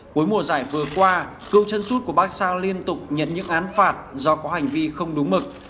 cuối mùa giải vừa qua cựu chân sút của baxa liên tục nhận những án phạt do có hành vi không đúng mực